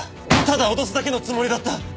ただ脅すだけのつもりだった！